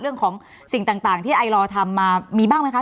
เรื่องของสิ่งต่างที่ไอลอร์ทำมามีบ้างไหมคะ